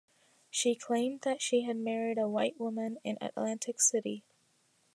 She claimed that she had married a white woman in Atlantic City.